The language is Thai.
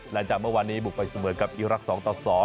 หลังจากเมื่อวานนี้บุกไปเสมอกับอีรักษ์๒ต่อ๒